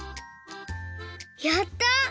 やった！